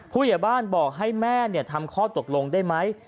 ผู้ใหญ่บ้านบอกให้แม่ทำข้อตกลงได้ไหม